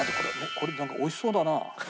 これなんか美味しそうだな。